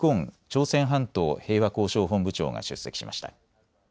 朝鮮半島平和交渉本部長が出席しました。